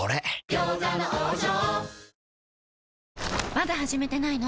まだ始めてないの？